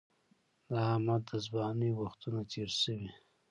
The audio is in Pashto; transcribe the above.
د احمد د ځوانۍ وختونه تېر شوي